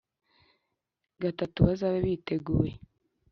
Gatatu bazabe biteguye